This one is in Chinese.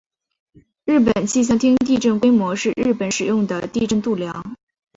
日本气象厅地震规模是日本使用的地震度量。